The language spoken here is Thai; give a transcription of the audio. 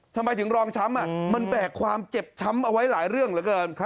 ทำไมถึงรองช้ำมันแบกความเจ็บช้ำเอาไว้หลายเรื่องเหลือเกิน